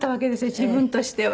自分としては。